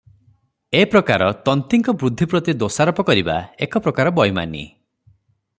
ଏ ପ୍ରକାର ତନ୍ତୀଙ୍କ ବୁଦ୍ଧି ପ୍ରତି ଦୋଷାରୋପ କରିବା ଏକପ୍ରକାର ବୈମାନି ।